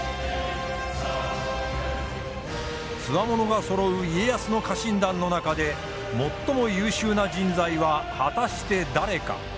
つわものがそろう家康の家臣団の中で最も優秀な人材は果たして誰か。